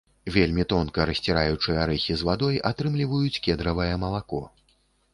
Вельмі тонка расціраючы арэхі з вадой атрымліваюць кедравае малако.